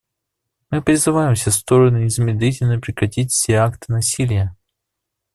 Мы призываем все стороны незамедлительно прекратить все акты насилия.